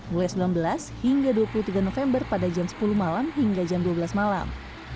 mulai sembilan belas hingga dua puluh tiga november pada jam sepuluh malam hingga jam dua belas malam